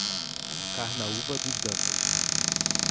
Carnaúba dos Dantas